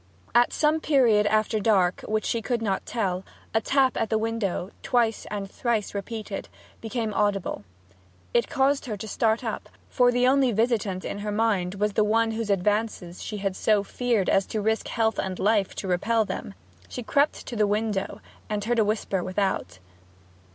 At some period after dark, when she could not tell, a tap at the window, twice and thrice repeated, became audible. It caused her to start up, for the only visitant in her mind was the one whose advances she had so feared as to risk health and life to repel them. She crept to the window, and heard a whisper without.